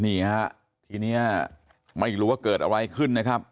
นี่ฮะทีนี้ไม่รู้ว่าเกิดอะไรขึ้นนะครับ